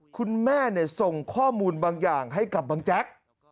คุณแม่ส่งข้อมูลบางอย่างให้กับบังแจ๊ก